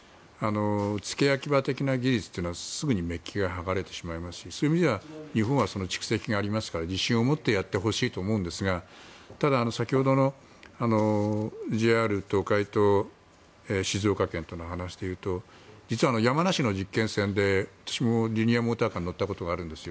付け焼き刃的な技術というのはすぐにめっきが剥がれてしまいますしそういう意味では日本は蓄積がありますから自信を持ってやってほしいと思いますがただ、先ほどのＪＲ東海と静岡県との話でいうと実は山梨の実験線で私もリニアモーターカーに乗ったことがあるんです。